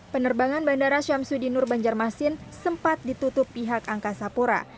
penerbangan bandara syamsudinur banjarmasin sempat ditutup pihak angkasa pura